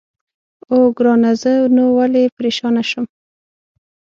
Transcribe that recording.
اوه، ګرانه زه نو ولې پرېشانه شم؟